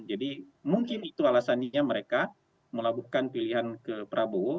jadi mungkin itu alasaninya mereka melakukan pilihan ke prabowo